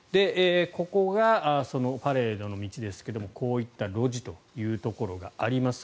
ここがパレードの道ですがこういった路地というところがあります。